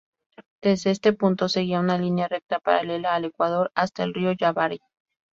Desde este punto seguía una línea recta paralela al ecuador hasta el río Yavarí.